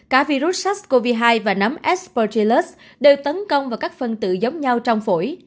cả virus sars cov hai và nấm aspergillus đều tấn công vào các phân tự giống nhau trong phổi